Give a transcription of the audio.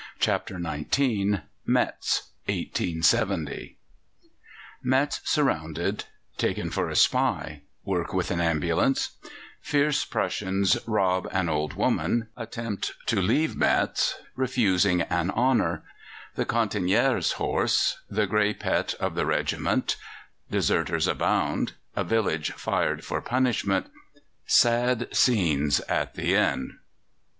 Swan Sonnenschein and Co. CHAPTER XIX METZ (1870) Metz surrounded Taken for a spy Work with an ambulance Fierce Prussians rob an old woman Attempt to leave Metz Refusing an honour The cantinière's horse The grey pet of the regiment Deserters abound A village fired for punishment Sad scenes at the end.